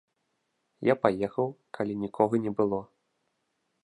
Я паехаў, калі нікога не было.